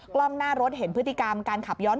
กล้องหน้ารถเห็นพฤติกรรมการขับย้อน